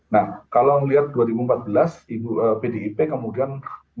nah kalau melihat dua ribu empat belas pdip kemudian